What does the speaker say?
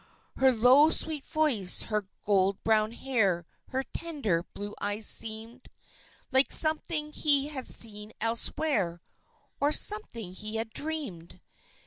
Her low, sweet voice, her gold brown hair, her tender blue eyes seemed Like something he had seen elsewhere or something he had dreamed.